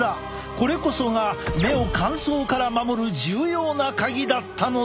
これこそが目を乾燥から守る重要なカギだったのだ。